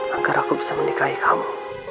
agar aku bisa menikahi kamu